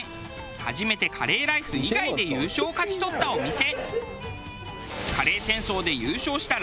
初めてカレーライス以外で優勝を勝ち取ったお店。